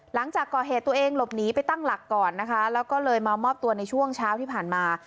หลังจากก่อเหตุตัวเองหลบหนีไปตั้งหลักก่อนนะคะแล้วก็เลยมามอบตัวในช่วงเช้าที่ผ่านมา